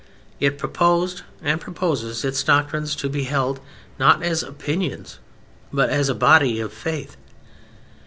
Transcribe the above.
It proposed (and proposes) its doctrines to be held not as opinions but as a body of faith.